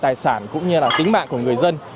tài sản cũng như là tính mạng của người dân